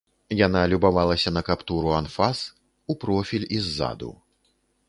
Яна любавалася на каптур у анфас, у профіль і ззаду.